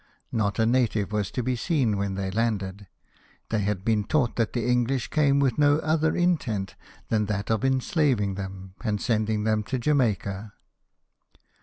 Not a native was to be seen when they landed, they had been taught that the English came with no other intent than that of enslaving them, and sending them to Jamaica.